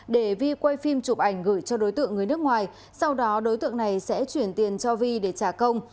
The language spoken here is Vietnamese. để vi quay phim chụp ảnh gửi cho đối tượng người nước ngoài sau đó đối tượng này sẽ chuyển tiền cho vi để trả công